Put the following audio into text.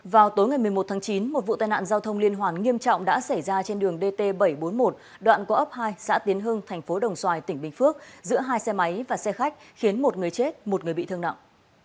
vào tối ngày một mươi một tháng chín một vụ tai nạn giao thông liên hoàn nghiêm trọng đã xảy ra trên đường dt bảy trăm bốn mươi một đoạn có ấp hai xã tiến hưng thành phố đồng xoài tỉnh bình phước giữa hai xe máy và xe khách khiến một người chết một người bị thương nặng